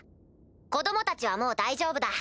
子供たちはもう大丈夫だ。